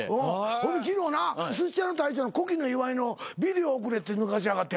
ほんで昨日なすし屋の大将の古希の祝いのビデオ送れって抜かしやがってやな。